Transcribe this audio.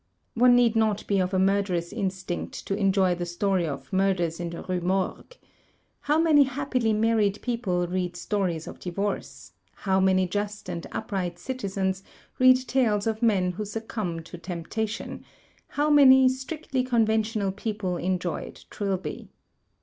One need not be of a murderous instinct to enjoy the story of "Murders in the Rue Morgue." How many happily married people read stories of divorce; how many just and upright citizens read tales of men who succumb to temptation; how many strictly conventional people enjoyed "Trilby."